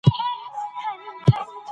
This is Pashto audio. د څېړنې پايلې د علمي شواهدو په مټ برابریږي.